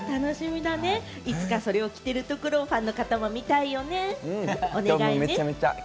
いつかそれを着ているところをファンの方も見たいよね、お願いね。